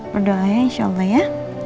berdoa ya insya allah ya